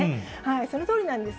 そのとおりなんです。